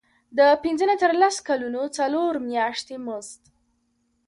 د پنځه نه تر لس کلونو څلور میاشتې مزد.